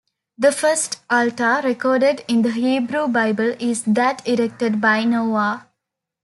The first altar recorded in the Hebrew Bible is that erected by Noah.